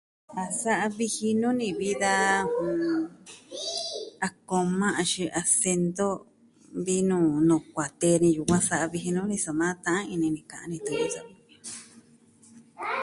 A sa'a viji nuu ni vi da, jɨn, a koma axin asento vi nuu, nuu kuatee yukuan sa'a viji nuu ni soma ta'an ini ni ka'an ni tu'un ñuu savi.